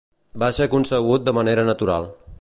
Va ser concebut de manera natural.